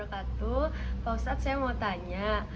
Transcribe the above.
pak ustadz saya mau tanya